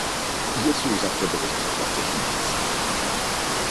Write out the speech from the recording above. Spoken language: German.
Hierzu sagt der Bericht praktisch nichts.